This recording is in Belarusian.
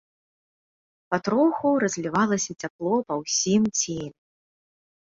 Патроху разлівалася цяпло па ўсім целе.